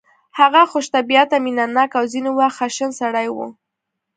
هغه خوش طبیعته مینه ناک او ځینې وخت خشن سړی و